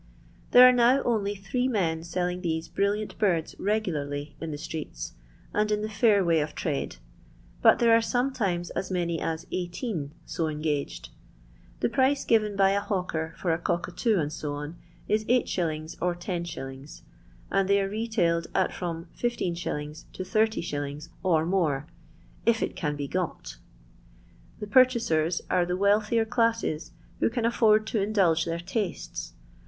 There are now only^three men selling these brilliant birds regularly in the streets, and in the fair way of trade ; but there are sometimes as many as 18 so engaged. The price given by a hawker for a cockatoo, &c, is 8s. or 10<., and they are retailed at from 15s. to 80s., or more, if it can be got." The purchasers are the wealthier classes who can afford to indulge their tastes.